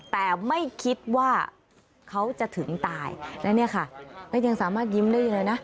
แต่ไม่คิดว่าเขาจะถึงตายและเนี่ยค่ะก็ยังสามารถยิ้มได้เลยนะ